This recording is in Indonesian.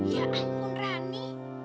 ya ampun rani